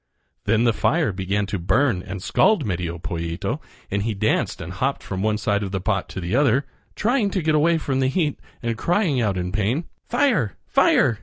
Then the fire began to burn and scald Medio Pollito, and he danced and hopped from one side of the pot to the other, trying to get away from the heat and crying out in pain: "Fire! fire!